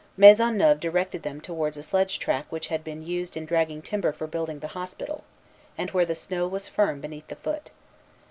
Maisonneuve directed them towards a sledge track which had been used in dragging timber for building the hospital, and where the snow was firm beneath the foot.